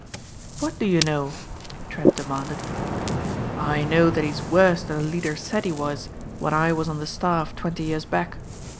"What do you know?" Trent demanded. "I know that he's worse than the Leader said he was when I was on the staff twenty years back.